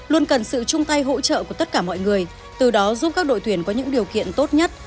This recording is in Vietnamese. luôn cần sự chung tay hỗ trợ của tất cả mọi người từ đó giúp các đội tuyển có những điều kiện tốt nhất